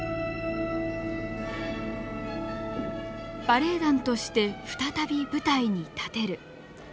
バレエ団として再び舞台に立てる。